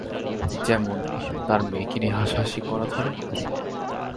যেমন, তার মেয়েকে নিয়ে হাসাহাসি করা ধরনের?